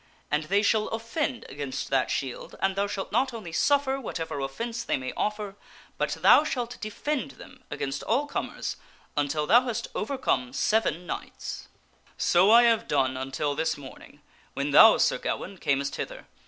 And they shall offend against that shield and thou shalt not only suffer whatever offence they may offer, but thou shalt defend them against all comers until thou hast overcome seven knights/ "So I have done until this morning, when thou, Sir Gawaine, earnest 250 THE STORY OF SIR PELLIAS hither.